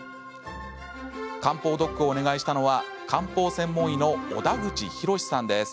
漢方ドックをお願いしたのは漢方専門医の小田口浩さんです。